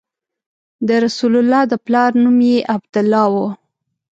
د رسول الله د پلار نوم یې عبدالله و.